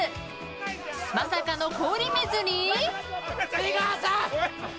まさかの氷水に。